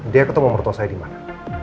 dia ketemu mertua saya di mana